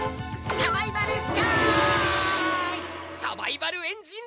サバイバルエンジンぜんかい！